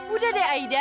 udah deh aida